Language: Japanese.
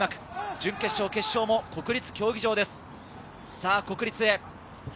準決勝・決勝も国立競技場です。